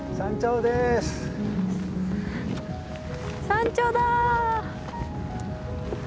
山頂だ。